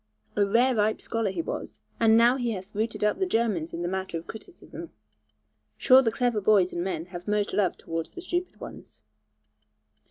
A rare ripe scholar he was; and now he hath routed up the Germans in the matter of criticism. Sure the clever boys and men have most love towards the stupid ones.